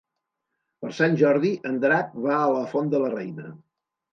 Per Sant Jordi en Drac va a la Font de la Reina.